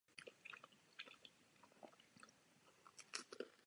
Její činnost upravuje Jednací řád Poslanecké sněmovny.